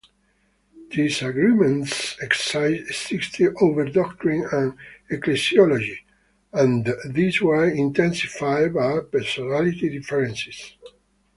Disagreements existed over doctrine and ecclesiology, and these were intensified by personality differences.